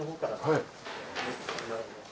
はい。